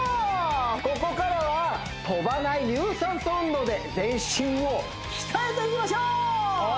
ここからは跳ばない有酸素運動で全身を鍛えていきましょう！